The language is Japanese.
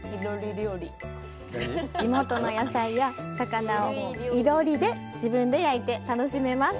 地元の野菜や魚を、囲炉裏で自分で焼いて楽しめます。